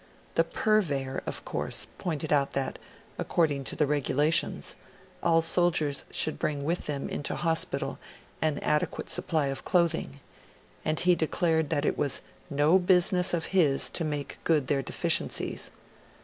The 'Purveyor', of course, pointed out that, according to the regulations, all soldiers should bring with them into hospital an adequate supply of clothing, and he declared that it was no business of his to make good their deficiencies.